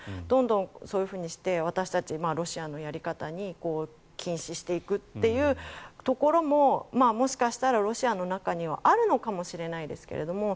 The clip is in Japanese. どんどんそういうふうにして私たち、ロシアのやり方に禁止していくというところももしかしたらロシアの中にはあるのかもしれないですけど